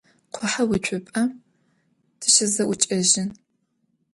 Къухьэуцупӏэм тыщызэӏукӏэжьын.